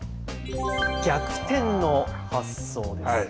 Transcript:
逆転の発想です。